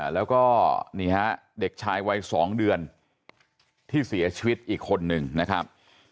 แล้วก็นี่ฮะเด็กชายวัย๒เดือนที่เสียชีวิตอีกคนนึงนะครับ